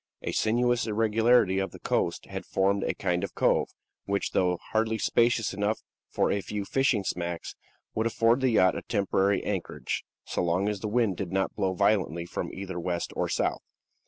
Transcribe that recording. A sinuous irregularity of the coast had formed a kind of cove, which, though hardly spacious enough for a few fishing smacks, would afford the yacht a temporary anchorage, so long as the wind did not blow violently from either west or south.